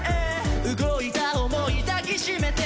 動いた思い抱きしめて